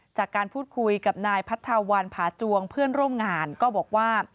จากการพูดคุยกับนายพัทธาวันผาจวงเพื่อนร่วมงานก็บอกว่า